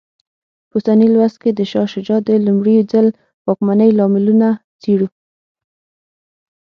په اوسني لوست کې د شاه شجاع د لومړي ځل واکمنۍ لاملونه څېړو.